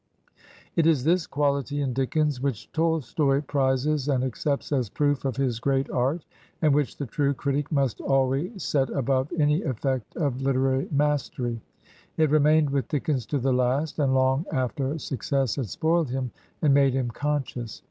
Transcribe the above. It is this quality in Dickens which Tolstoy prizes and accepts as proof of his great art, and which the true critic must always set above any effect of literary mastery. It remained with Dickens to the last, and long after success had spoiled him and made him conscious.